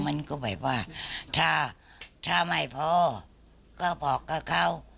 มันก็แบบว่าถ้าไม่พอก็บอกกับเขา